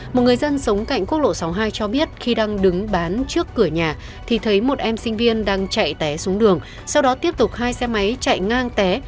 một người dân sống cạnh quốc lộ sáu mươi hai cho biết khi đang đứng bán trước cửa nhà thì thấy một em sinh viên đang chạy té xuống đường sau đó tiếp tục hai xe máy chạy ngang té